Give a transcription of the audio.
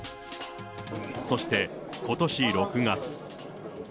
そしてことし６月。